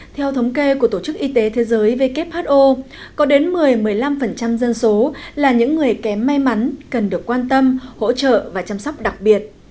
theo thống kê của tổ chức y tế thế giới who có đến một mươi một mươi năm dân số là những người kém may mắn cần được quan tâm hỗ trợ và chăm sóc đặc biệt